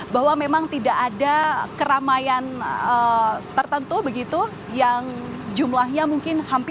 bahwa memang tidak ada keramaian tertentu begitu yang jumlahnya mungkin hampir